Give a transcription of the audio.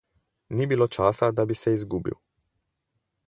Ni bilo časa, da bi se izgubil.